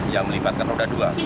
yang melibatkan roda dua